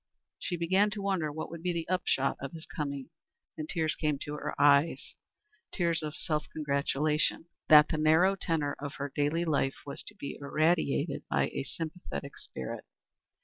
She began to wonder what would be the upshot of his coming, and tears came to her eyes, tears of self congratulation that the narrow tenor of her daily life was to be irradiated by a sympathetic spirit.